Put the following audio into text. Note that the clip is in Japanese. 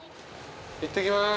いってきます。